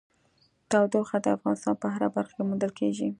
تودوخه د افغانستان په هره برخه کې موندل کېږي.